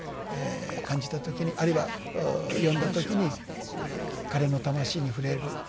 感じた時にあるいは読んだ時に彼の魂に触れることができる。